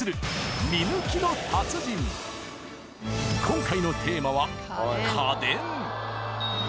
［今回のテーマは］